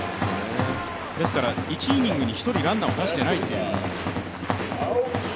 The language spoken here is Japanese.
ですから、１イニングに１人ランナーを出していないという。